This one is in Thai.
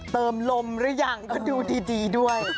เติมลมหรือยังก็ดูดีด้วย